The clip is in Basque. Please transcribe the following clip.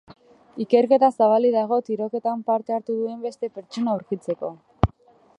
Ikerketa zabalik dago tiroketan parte hartu duen beste pertsona aurkitzeko.